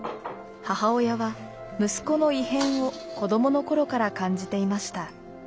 母親は息子の異変を子どもの頃から感じていました。